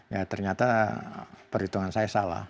ya ternyata perhitungan saya salah